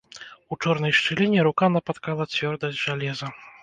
У чорнай шчыліне рука напаткала цвёрдасць жалеза.